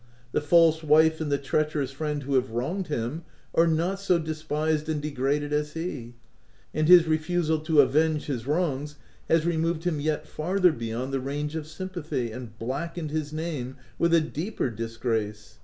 The false wife and the treacherous friend who have wronged him are not so despised and de graded as he ; and his refusal to avenge his wrongs has removed him yet farther beyond the range of sympathy, and blackened his name with a deeper disgrace.